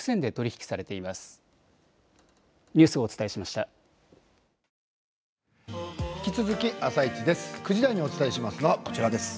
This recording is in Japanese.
引き続き「あさイチ」です。